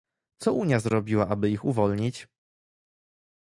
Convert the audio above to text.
Co Unia zrobiła, aby ich uwolnić?